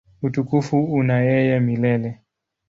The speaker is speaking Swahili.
Utukufu una yeye milele.